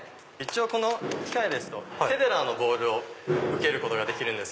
この機械ですとフェデラーのボールを受けることができるんです。